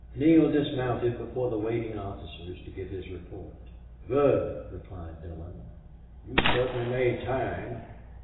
Neale dismounted before the waiting officers to give his report. "Good!" replied Dillon. "You certainly made time.